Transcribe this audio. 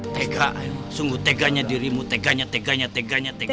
tega sungguh teganya dirimu teganya teganya teganya tega